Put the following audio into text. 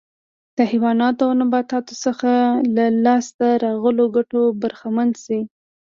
د حیواناتو او نباتاتو څخه له لاسته راغلو ګټو برخمن شي.